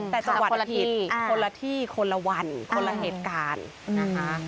แต่จังหวัดผิดคนละที่คนละวันคนละเหตุการณ์นะคะ